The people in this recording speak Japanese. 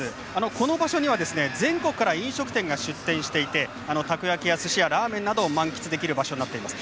この場所には全国から飲食店が出店していてたこ焼き、すしやラーメンなどを満喫できる場所になっています。